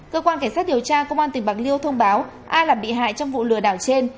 cơ quan cảnh sát điều tra công an tỉnh bạc liêu thông báo ai là bị hại trong vụ lừa đảo trên